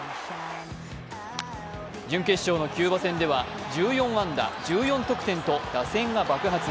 準決勝のキューバ戦では１４安打１４得点と打線が爆発。